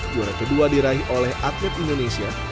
juara kedua diraih oleh atlet indonesia